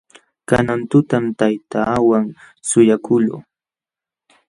Kanan tutam taytaawan suyakuqluu.